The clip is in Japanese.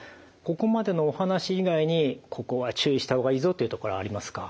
ここまでのお話以外にここは注意した方がいいぞというところありますか？